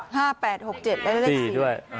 ๕๘๖๗แล้วเลข๔ด้วย